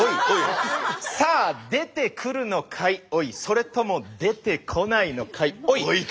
さあ出てくるのかいおいそれとも出てこないのかいおい。